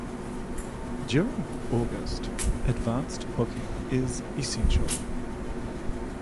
During August advance booking is essential.